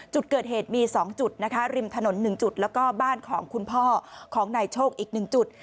จุดเกิดเหตุมี๒จุดนะคะริมถนน๑จุดแล้วก็บ้านของคุณพ่อของนายโชคอีก๑จุด